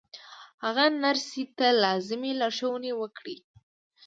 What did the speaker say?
هغه نرسې ته لازمې لارښوونې وکړې